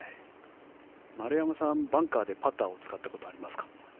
丸山さん、バンカーでパターを使ったことはありますか。